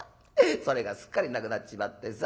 それがすっかりなくなっちまってさ